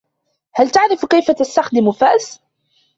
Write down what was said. هل تعرف كيف تستخدم فأس